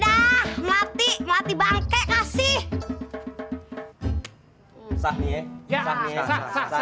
nggak mati mati bank kasih ternyata kita